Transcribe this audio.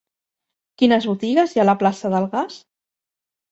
Quines botigues hi ha a la plaça del Gas?